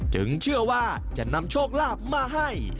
เชื่อว่าจะนำโชคลาภมาให้